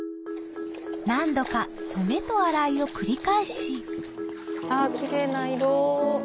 何度か染めと洗いを繰り返しあキレイな色。